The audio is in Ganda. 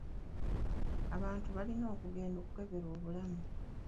Abantu balina okugenda okukeberwa obulamu.